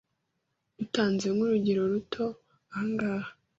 dutanze nk'urugero ruto ahangaha